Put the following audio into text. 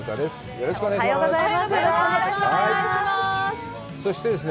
よろしくお願いします。